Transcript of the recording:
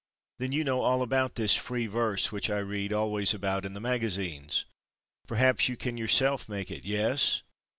Then you know all about this Free Verse which I read always about in the magazines? Perhaps you can yourself make it? Yes?"